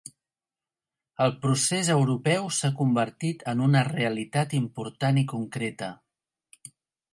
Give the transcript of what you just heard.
el procés europeu s'ha convertit en una realitat important i concreta